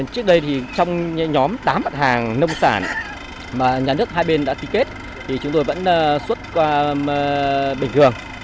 trước đây thì trong nhóm tám mặt hàng nông sản mà nhà nước hai bên đã ký kết thì chúng tôi vẫn xuất bình thường